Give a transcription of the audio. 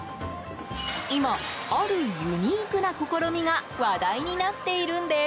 今、あるユニークな試みが話題になっているんです。